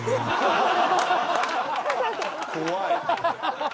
怖い。